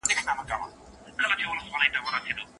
له ميرمني سره د هغې د عمه لور په نکاح کي راټولول جائز دي.